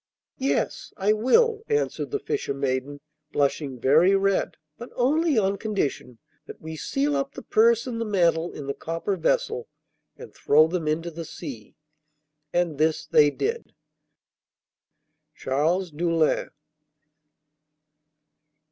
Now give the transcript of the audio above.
'Yes, I will,' answered the fisher maiden, blushing very red, 'but only on condition that we seal up the purse and the mantle in the copper vessel and throw them into the sea.' And this they did. Charles Deulin.